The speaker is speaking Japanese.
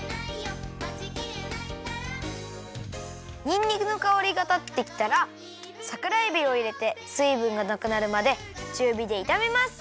にんにくのかおりがたってきたらさくらえびをいれてすいぶんがなくなるまでちゅうびでいためます！